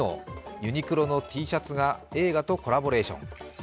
ユニクロのＴシャツが映画とコラボレーション。